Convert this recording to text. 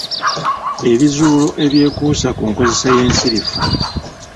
Ebizuulo ebyekuusa ku nkozesa y’ensirifu.